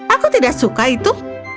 aku tidak suka itu